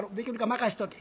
「任しとけ」。